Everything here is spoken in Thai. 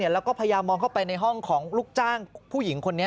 แล้วก็พยายามมองเข้าไปในห้องของลูกจ้างผู้หญิงคนนี้